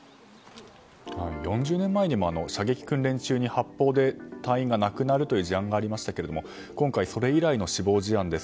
４０年前にも射撃訓練中に発砲で隊員が亡くなるという事案がありましたが今回、それ以来の死亡事案です。